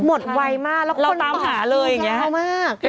หมดไวมากเราตามหาเลยอย่างนี้